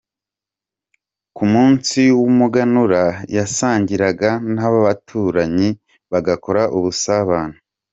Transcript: Ku munsi w’umuganura yasangiraga n’abaturanyi, bagakora ubusabane.